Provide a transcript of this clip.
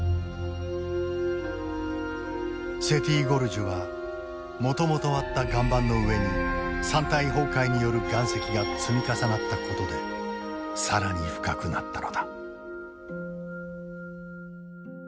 セティ・ゴルジュはもともとあった岩盤の上に山体崩壊による岩石が積み重なったことで更に深くなったのだ。